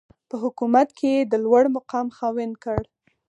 په حکومت کې د لوړمقام خاوند کړ.